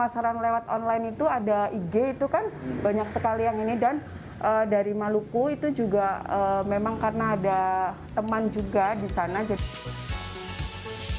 saran lewat online itu ada ig itu kan banyak sekali yang ini dan dari maluku itu juga memang karena ada teman juga di sana gitu